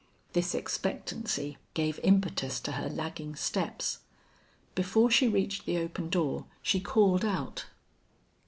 This expectancy gave impetus to her lagging steps. Before she reached the open door she called out.